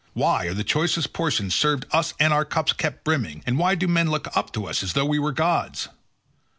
Why are the choicest portions served us and our cups kept brimming, and why do men look up to us as though we were gods?